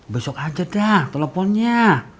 besok aja dah teleponnya